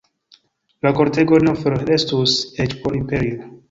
La kortego ne forrestus, eĉ por imperio.